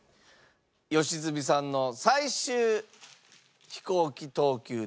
良純さんの最終飛行機投球です。